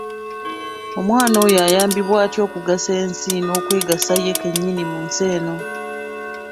Omwana oyo ayambibwe atya okugasa ensi n’okwegasa ye kennyini mu nsi muno?